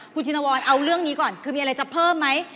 คุณชินวรเอาเรื่องนี้ก่อนคือมีอะไรจะเพิ่มไหม